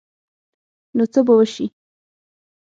نو څه به وشي ؟